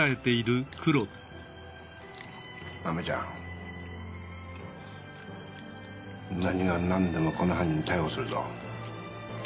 マメちゃん何がなんでもこの犯人逮捕するぞ。